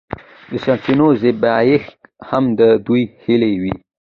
د سرچینو زبېښاک هم د دوی هیلې وې.